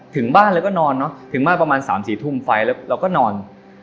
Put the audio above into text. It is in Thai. ถึงบ้านแล้วก็นอนเนอะถึงบ้านประมาณ๓๔ทุ่มไฟแล้วเราก็นอน